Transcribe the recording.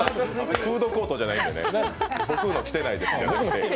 フードコートじゃないんでね、僕の来てないですって。